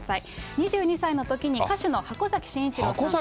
２２歳のときに歌手の箱崎晋一郎さんと。